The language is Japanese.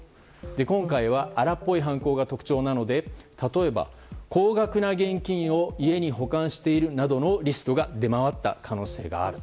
今回は荒っぽい犯行が特徴なので例えば、高額な現金を家に保管しているなどのリストが出回った可能性がある。